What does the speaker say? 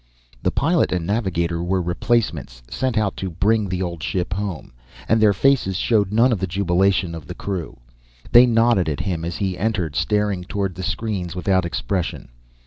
The pilot and navigator were replacements, sent out to bring the old ship home, and their faces showed none of the jubilation of the crew. They nodded at him as he entered, staring toward the screens without expression.